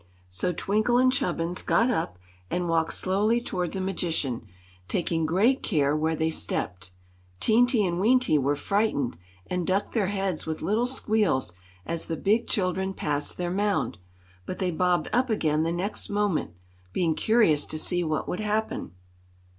So Twinkle and Chubbins got up and walked slowly toward the magician, taking great care where they stepped. Teenty and Weenty were frightened, and ducked their heads with little squeals as the big children passed their mound; but they bobbed up again the next moment, being curious to see what would happen.